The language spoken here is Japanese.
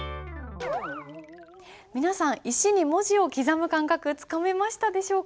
皆さん石に文字を刻む感覚つかめましたでしょうか？